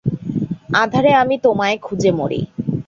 আঁধারে আমি তোমায় খুঁজে মরি।